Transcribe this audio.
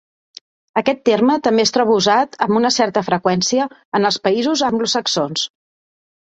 Aquest terme també es troba usat, amb una certa freqüència, en els països anglosaxons.